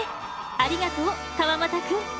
ありがとう川俣くん。